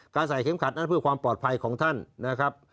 ใส่เข็มขัดนั้นเพื่อความปลอดภัยของท่านนะครับ